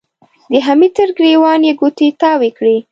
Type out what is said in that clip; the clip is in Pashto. د حميد تر ګرېوان يې ګوتې تاوې کړې.